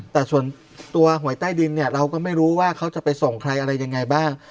แต่ส่วนตัวหวยใต้ดินเนี่ยเราก็ไม่รู้ว่าเขาจะไปส่งใครอะไรยังไงบ้าง